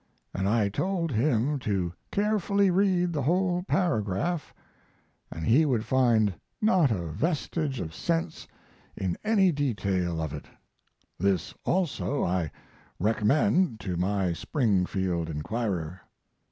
And I told him to carefully read the whole paragraph and he would find not a vestige of sense in any detail of it. This also I recommend to my Springfield inquirer.